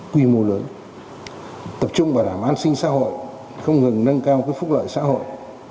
quy mô lớn tập trung bảo đảm an sinh xã hội không ngừng nâng cao phúc lợi xã hội